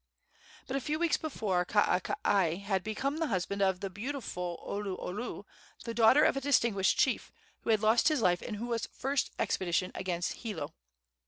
But a few weeks before Kaakakai had become the husband of the beautiful Oluolu, the daughter of a distinguished chief who had lost his life in Hua's first expedition against Hilo.